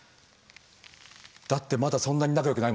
だってまだそんなに仲良くないもんね。